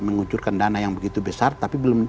mengucurkan dana yang begitu besar tapi belum